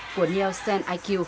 của nielsen iq